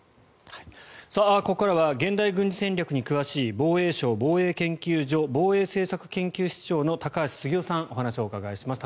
ここからは現代軍事戦略に詳しい防衛省防衛研究所防衛政策研究室長の高橋杉雄さんお話をお伺いします。